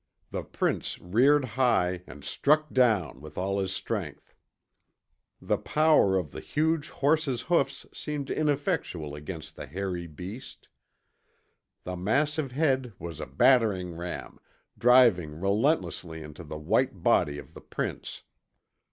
The prince reared high, and struck down, with all his strength. The power of the huge horse's hoofs seemed ineffectual against the hairy beast. The massive head was a battering ram, driving relentlessly into the white body of the prince.